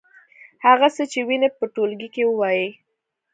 هغه څه چې وینئ په ټولګي کې ووایئ.